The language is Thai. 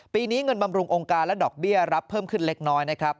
ปีนี้เงินบำรุงองค์การและดอกเบี้ยรับเพิ่มขึ้นเล็กน้อยนะครับ